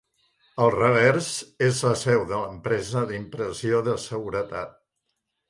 Al revers és la seu de l'empresa d'impressió de seguretat.